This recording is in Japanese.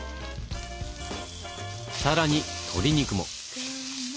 更に鶏肉も。